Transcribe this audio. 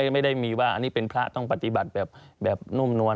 ไม่ได้มีว่าอันนี้เป็นพระต้องปฏิบัติแบบนุ่มนวล